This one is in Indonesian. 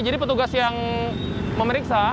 jadi petugas yang memeriksa